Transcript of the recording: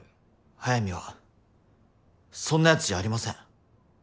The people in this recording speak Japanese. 速水はそんなヤツじゃありません。